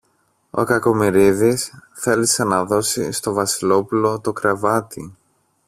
Ο Κακομοιρίδης θέλησε να δώσει στο Βασιλόπουλο το κρεβάτι.